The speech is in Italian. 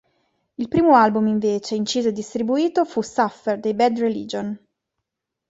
Il primo album invece inciso e distribuito fu "Suffer" dei Bad Religion.